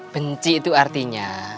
benci itu artinya